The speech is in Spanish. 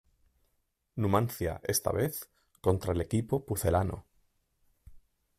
Numancia, esta vez contra el equipo pucelano.